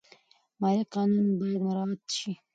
مالي قانون باید مراعات شي.